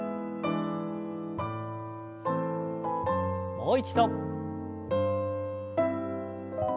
もう一度。